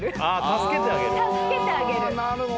助けてあげる。